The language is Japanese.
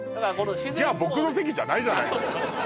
じゃあ僕の席じゃないじゃないのよ